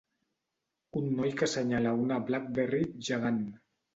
Un noi que senyala una Blackberry gegant.